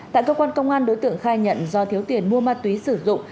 tại cơ quan công an đối tượng khai nhận do thiếu tiền mua ma túy sử dụng